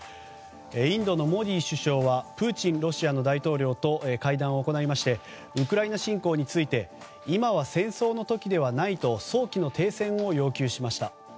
インドのモディ首相はプーチン、ロシアの大統領と会談を行いましてウクライナ侵攻について今は、戦争の時ではないと早期の停戦を要求しました。